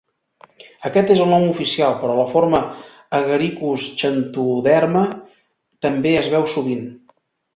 Aquest és el nom oficial, però la forma "Agaricus xanthoderma" també es veu sovint.